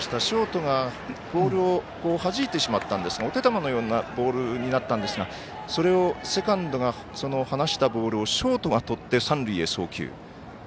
ショートがボールをはじいてしまったんですがお手玉のようなボールになったんですがそれをセカンドが放したボールをショートがとって、三塁へ送球。